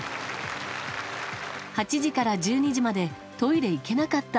８時から１２時までトイレ行けなかった。